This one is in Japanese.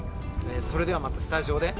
それでは、またスタジオで。